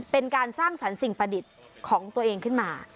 เป็นการสร้างสรรค์สิ่งประดิษฐ์ของตัวเองขึ้นมา